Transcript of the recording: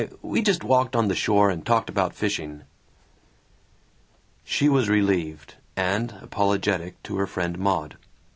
We just walked on the shore and talked about fishing!" She was relieved, and apologetic to her friend Maud.